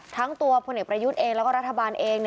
ทั้งตัวพลเอกประยุทธ์เองแล้วก็รัฐบาลเอง